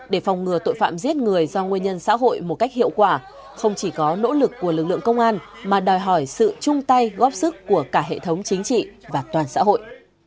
để phòng ngừa tội phạm giết người do nguyên nhân xã hội một cách hiệu quả không chỉ có nỗ lực của lực lượng công an mà đòi hỏi sự chung tay góp sức của cả hệ thống chính trị và toàn xã hội